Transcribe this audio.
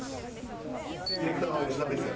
ディレクターのヨシダです。